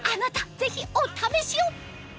ぜひお試しを！